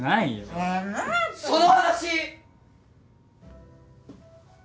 そのお話！